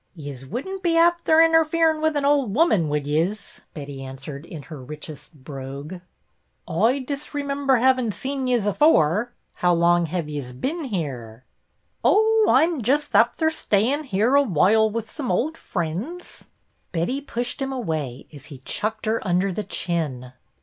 "Yez wouldn't be afther interferin' wit' an' ould woman, would yez .i* " Betty answered in her richest brogue. " Oi disremimber havin' seen yez afore. How long hev yez bin here ?"" Oh, I 'm just afther stayin' here a whoile wit' some ould frinds." i68 BETTY BAIRD Betty pushed him away as he chucked her under the chin.